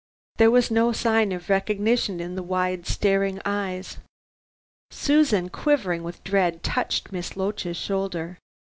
There was no sign of recognition in the wide, staring eyes. Susan, quivering with dread, touched Miss Loach's shoulder.